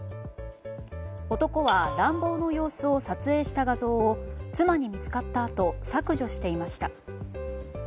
男は乱暴の様子を撮影した画像を妻に見つかったあと削除していました。